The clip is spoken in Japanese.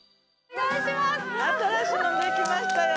新しいのできましたよ！